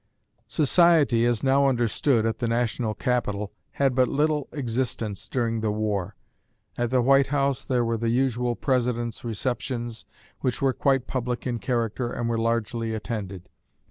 "Society," as now understood at the national capital, had but little existence during the war. At the White House there were the usual President's receptions, which were quite public in character and were largely attended.